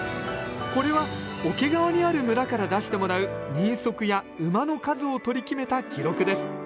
これは桶川にある村から出してもらう人足や馬の数を取り決めた記録です。